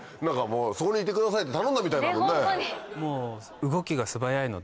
そこにいてくださいって頼んだみたいだもんね。